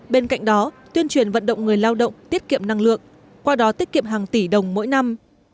bên cạnh đó tuyên truyền vận động người lao động tiết kiệm năng lượng qua đó tiết kiệm hàng tỷ đồng mỗi năm